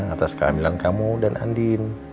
atas kehamilan kamu dan andin